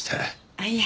あっいえ。